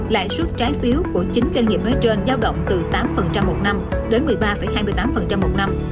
lãi suất trái phiếu của chín doanh nghiệp nói trên giao động từ tám một năm đến một mươi ba hai mươi tám một năm